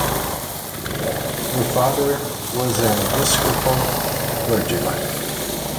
Her father was an Episcopal clergyman.